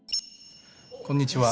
こんにちは。